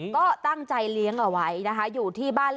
ก็ตั้งใจเลี้ยงเอาไว้นะคะ